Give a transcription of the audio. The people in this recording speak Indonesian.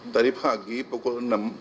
tadi pagi pukul enam